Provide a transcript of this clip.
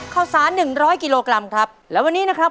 ค่าสาร๑๐๐กิโลกรัมครับแล้ววันนี้นะครับ